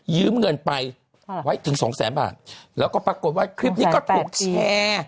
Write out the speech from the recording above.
ยืมเงินไปไว้ถึงสองแสนบาทแล้วก็ปรากฏว่าคลิปนี้ก็ถูกแชร์